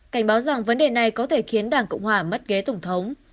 cảnh báo rằng vấn đề này có thể khiến đảng cộng hòa mất ghế tổng thống